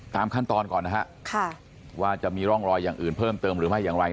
ตามขั้นตอนก่อนนะฮะว่าจะมีร่องรอยอย่างอื่นเพิ่มเติมหรือไม่อย่างไร